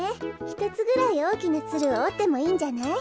ひとつぐらいおおきなツルをおってもいいんじゃない？